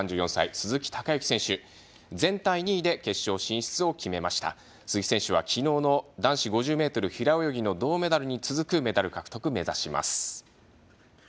鈴木選手は昨日の男子５０ｍ平泳ぎの銅メダルに続くメダル獲得を目指します。